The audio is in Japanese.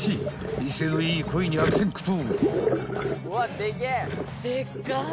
［威勢のいいコイに悪戦苦闘］